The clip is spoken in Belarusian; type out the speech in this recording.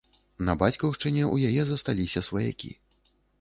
На бацькаўшчыне ў яе засталіся сваякі.